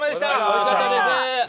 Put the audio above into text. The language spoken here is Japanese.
美味しかったです。